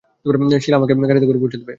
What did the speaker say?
শীলা আমাকে গাড়িতে করে পৌঁছে দেবে।